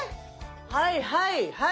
はいはいはい。